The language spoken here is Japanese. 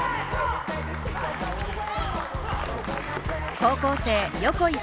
高校生・横井咲